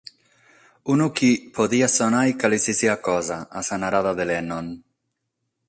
Unu chi «podiat sonare cale si siat cosa», a sa narada de Lennon.